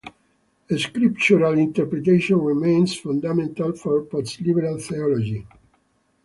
Scriptural interpretation remains fundamental for postliberal theology.